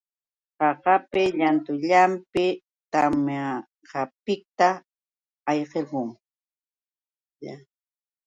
Qaqapa llantullanpi tamyapiqta ayqirquu.